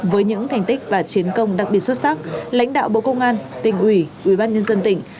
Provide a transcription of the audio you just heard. với những thành tích và chiến công đặc biệt xuất sắc lãnh đạo bộ công an tỉnh ủy ủy ban nhân dân tỉnh